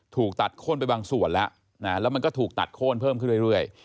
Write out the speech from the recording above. ถูกตัดโค้นไปบางส่วนแล้วแล้วมันก็ถูกตัดโค้นเพิ่มขึ้นเรื่อย